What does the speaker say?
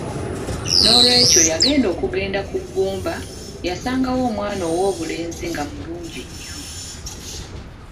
N’olwekyo yagenda okugenda ku ggumba, yasangawo omwana ow’obulenzi nga mulungi nnyo.